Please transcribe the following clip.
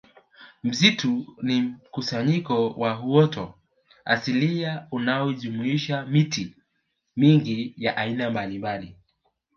Msitu ni mkusanyiko wa uoto asilia unaojumuisha miti mingi ya aina mbalimbali